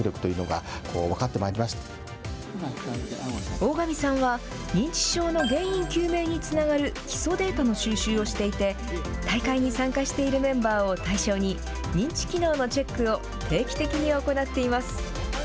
大上さんは、認知症の原因究明につながる基礎データの収集をしていて、大会に参加しているメンバーを対象に、認知機能のチェックを定期的に行っています。